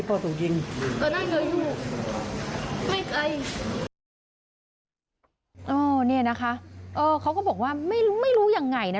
เนี่ยนะคะเขาก็บอกว่าไม่รู้ยังไงนะ